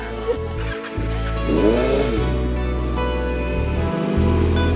udah bocan mbak